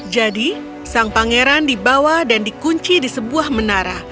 jadi sang pangeran dibawa dan dikunci di sebuah menara